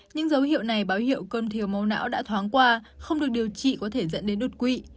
những dấu hiệu này báo hiệu cơn thiều màu não đã thoáng qua không được điều trị có thể dẫn đến đột quỵ